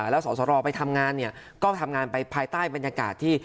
แล้วสอสรไปทำงานเนี่ยก็ทำงานไปภายใต้บรรยากาศที่